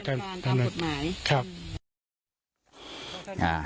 การทำผลหมาย